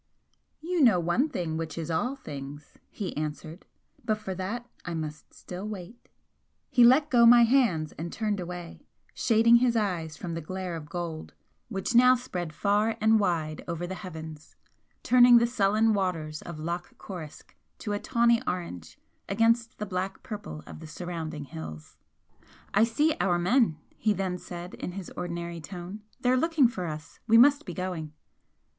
"You know one thing which is all things," he answered "But for that I must still wait." He let go my hands and turned away, shading his eyes from the glare of gold which now spread far and wide over the heavens, turning the sullen waters of Loch Coruisk to a tawny orange against the black purple of the surrounding hills. "I see our men," he then said, in his ordinary tone, "They are looking for us. We must be going."